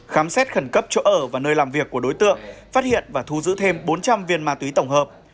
khám xét khẩn cấp chỗ ở và nơi làm việc của đối tượng phát hiện và thu giữ thêm bốn trăm linh viên ma túy tổng hợp